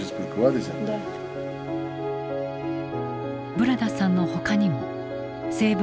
・ブラダさんのほかにもセーブ